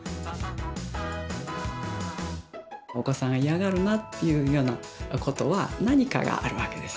お子さん嫌がるなっていうようなことは何かがあるわけです。